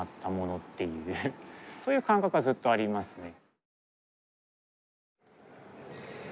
そういう感覚はずっとありますね。